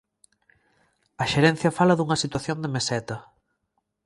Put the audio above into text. A xerencia fala dunha situación de meseta.